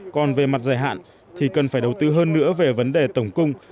còn về mặt dài hạn thì cần phải đầu tư hơn nữa về vấn đề tổng cung